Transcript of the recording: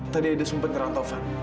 tadi edo sumpah nyerang taufan